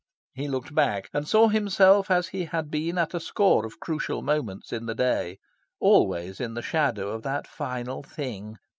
He looked back and saw himself as he had been at a score of crucial moments in the day always in the shadow of that final thing.